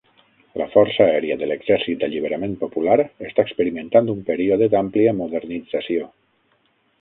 La Força Aèria de l'Exèrcit d'Alliberament Popular està experimentant un període d'àmplia modernització.